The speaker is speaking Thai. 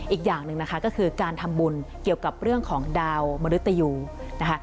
อีกอย่างหนึ่งนะคะก็คือการทำบุญเกี่ยวกับเรื่องของดาวมริตยูนะคะ